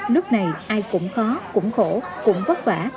lúc này ai cũng khó cũng khổ cũng vất vả